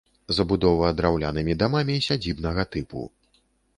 Забудова драўлянымі дамамі сядзібнага тыпу.